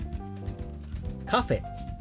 「カフェ」。